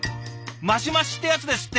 マシマシってやつですって。